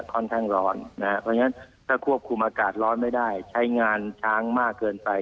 ค่อนข้างร้อนถ้าควบคุมอากาศร้อนไม่ได้ใช้งานช้างมากเกินไป